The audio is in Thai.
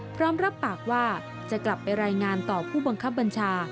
พร้อมรับปากว่าจะกลับไปรายงานต่อผู้บังคับบัญชา